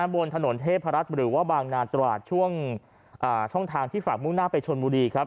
บนถนนเทพรัฐหรือว่าบางนาตราดช่วงช่องทางที่ฝากมุ่งหน้าไปชนบุรีครับ